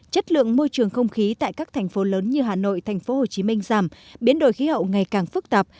chất lượng môi trường không khí tại các thành phố lớn như hà nội tp hcm giảm biến đổi khí hậu ngày càng phức tạp